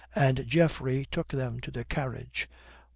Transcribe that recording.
And Geoffrey took them to their carriage.